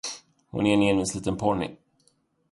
Hon är en envis liten ponny.